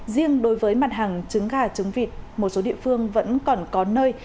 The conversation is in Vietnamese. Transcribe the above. riêng đối với mặt hàng trứng gà trứng vịt một số địa phương vẫn còn có nơi